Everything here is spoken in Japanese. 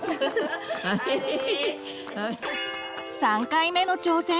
３回目の挑戦！